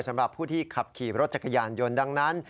สำหรับผู้ที่ขับขี่รถจักรยานยนต์ดังนั้น